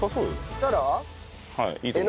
そしたら。